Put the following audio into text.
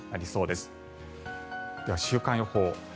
では、週間予報。